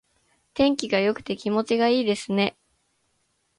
天気が良くて気持ちがいいですね。